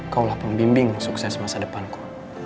kau lah pembimbing sukses masa depanku